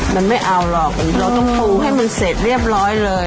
มันไม่เอาหรอกเราต้องปูให้มันเสร็จเรียบร้อยเลย